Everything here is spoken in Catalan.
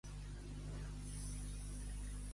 En quina divinitat es va transformar llavors?